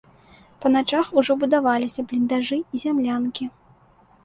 Па начах ужо будаваліся бліндажы і зямлянкі.